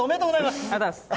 ありがとうございます。